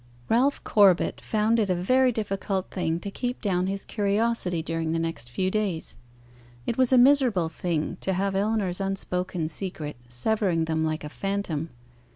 Ralph Corbet found it a very difficult thing to keep down his curiosity during the next few days. It was a miserable thing to have Ellinor's unspoken secret severing them like a phantom.